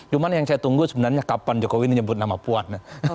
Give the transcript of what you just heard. cuma yang saya tunggu sebenarnya kapan jokowi ini nyebut nama puan